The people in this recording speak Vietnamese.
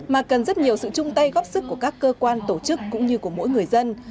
mà cần rất nhiều sự chung tay góp sức của các cơ quan tổ chức cũng như của mỗi người dân